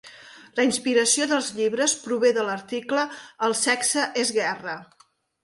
La inspiració dels llibres prové de l'article "El sexe és guerra!".